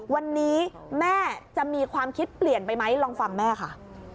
วันนี้แม่จะมีความคิดเปลี่ยนไปไหมลองฟังแม่ค่ะ